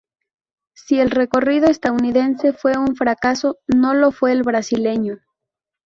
Si el recorrido estadounidense fue un fracaso, no lo fue el brasileño.